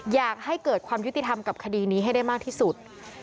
อยากให้เกิดความยุติธรรมกับคดีนี้ให้ได้มากที่สุด